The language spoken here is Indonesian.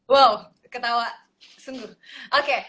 wow ketawa sungguh oke